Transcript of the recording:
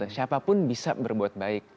siapapun bisa berbuat baik